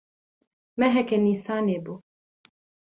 Meheke Nîsanê bû.